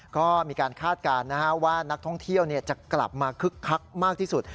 ก็มีการคาดการณ์ว่านักท่องเที่ยวจะกลับมาคึกคักมากที่สุด